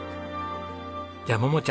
じゃあ桃ちゃん。